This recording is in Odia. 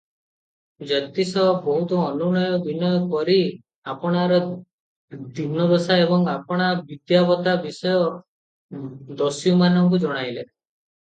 ଜ୍ୟୋତିଷ ବହୁତ ଅନୁନୟ ବିନୟ କରି ଆପଣାର ଦୀନଦଶା ଏବଂ ଆପଣା ବିଦ୍ୟାବତ୍ତା ବିଷୟ ଦସ୍ୟୁମାନଙ୍କୁ ଜଣାଇଲେ ।